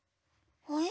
あれ？